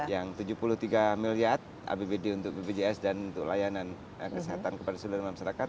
yang tujuh puluh tiga miliar apbd untuk bpjs dan untuk layanan kesehatan kepada seluruh masyarakat